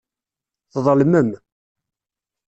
Tḍelmem.